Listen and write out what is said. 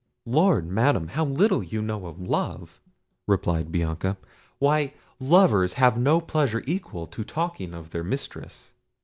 "Lord, Madam! how little you know of love!" replied Bianca; "why, lovers have no pleasure equal to talking of their mistress."